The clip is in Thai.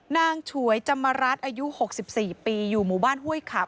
ฉวยจัมรัฐอายุ๖๔ปีอยู่หมู่บ้านห้วยขาบ